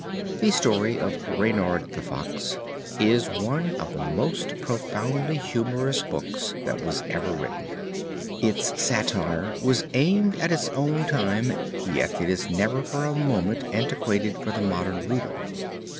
The story of Reynard the Fox is one of the most profoundly humorous books that was ever written. Its satire was aimed at its own time yet it is never for a moment antiquated for the modern reader.